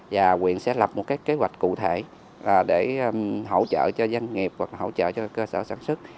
và quyện sẽ lập một cái kế hoạch cụ thể để hỗ trợ cho doanh nghiệp hoặc là hỗ trợ cho cơ sở sản xuất